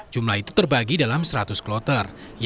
jumlah itu terbagi dalam seratus kloter